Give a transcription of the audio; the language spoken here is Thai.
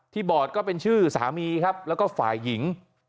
ที่บอร์ดก็เป็นชื่อสามีและฝ่ายหญิง